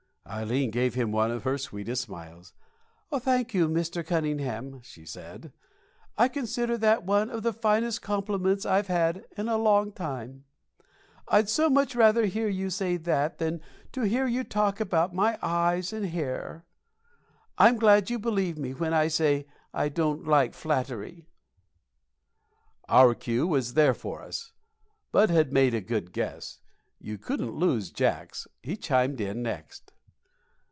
Ileen gave him one of her sweetest smiles. "Thank you, Mr. Cunningham," she said. "I consider that one of the finest compliments I've had in a long time. I'd so much rather hear you say that than to hear you talk about my eyes and hair. I'm glad you believe me when I say I don't like flattery." Our cue was there for us. Bud had made a good guess. You couldn't lose Jacks. He chimed in next.